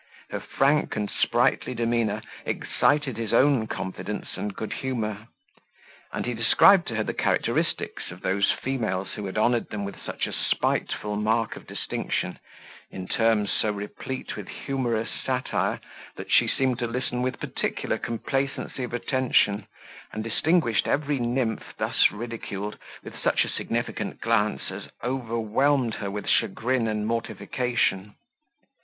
Her frank and sprightly demeanour excited his own confidence and good humour; and he described to her the characters of those females who had honoured them with such a spiteful mark of distinction, in terms so replete with humorous satire, that she seemed to listen with particular complacency of attention, and distinguished every nymph thus ridiculed with such a significant glance as overwhelmed her with chagrin and mortification.